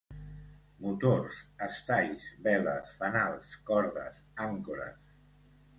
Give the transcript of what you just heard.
Motors, estais, veles, fanals, cordes, àncores.